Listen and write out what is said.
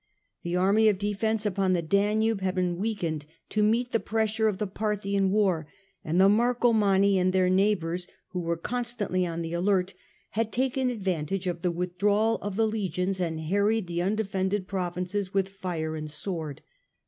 The army of defence upon the Danube had been The danger weakened to meet the pressure of the Parthian ^ the war, and the Marcomanni and their neigh was more hours, who were constantly on the alert, had pressing, taken advantage of the withdrawal of the legions, and harried the undefended provinces with fire and sword.